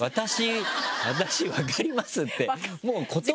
私分かります？って。